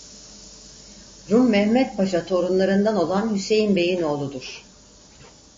Rum Mehmet Paşa torunlarından olan Hüseyin beyin oğludur.